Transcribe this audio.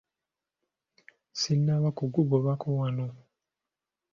Sinnaba kukugobako wano.